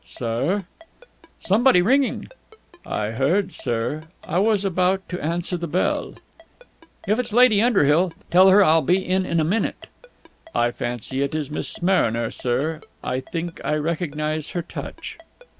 "Sir?" "Somebody ringing." "I heard, sir. I was about to answer the bell." "If it's Lady Underhill, tell her I'll be in in a minute." "I fancy it is Miss Mariner, sir. I think I recognize her touch."